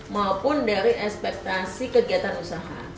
maupun dari ekspektasi kegiatan usaha